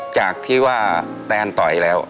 จากที่ว่าแตนต่อยแล้ว